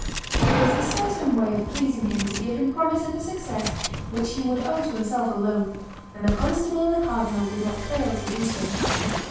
It was a certain way of pleasing him to give him promise of a success which he would owe to himself alone; and the constable and the cardinal did not fail to do so.